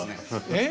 えっ？